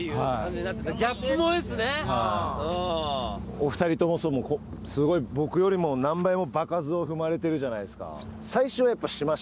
お２人ともすごい僕よりも何倍も場数を踏まれてるじゃないですか。